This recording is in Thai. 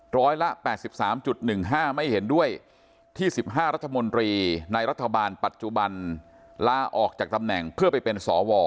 ร้อยละ๘๓๑๕ไม่เห็นด้วยที่๑๕รัฐมนตรีในรัฐบาลปัจจุบันลาออกจากตำแหน่งเพื่อไปเป็นสว